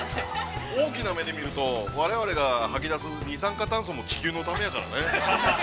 ◆大きな目で見ると、我々が吐き出す二酸化炭素も地球のためやからね。